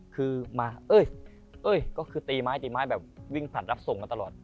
คือมาเอ้ยเอ้ยก็คือตีไม้ตีไม้แบบวิ่งผ่านรับส่งมาตลอด